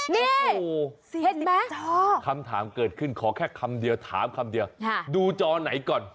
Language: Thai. นี่เห็นไหมคำถามเกิดขึ้นขอแค่คำเดียวถามคำเดียวดูจอไหนก่อน